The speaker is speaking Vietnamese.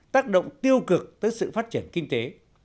tác động tiêu cực tới sự phát triển kinh tế